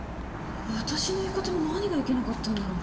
私の言い方の何がいけなかったんだろう？